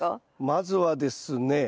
まずはですね